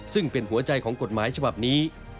ซึ่งเป็นหัวใจของกฎหมายฉบับนี้